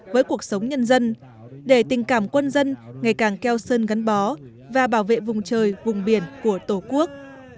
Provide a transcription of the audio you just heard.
với cuộc sống nhân dân để tình cảm quân dân ngày càng keo sơn gắn bó và bảo vệ vùng trời vùng biển của tổ quốc